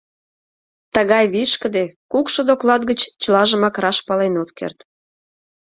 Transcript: Тыгай вишкыде, кукшо доклад гыч чылажымак раш пален от керт.